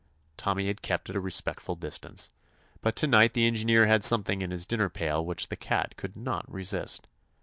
Tommy had kept at a respectful distance, but to night the engineer had something in his din ner pail which the cat could not resist.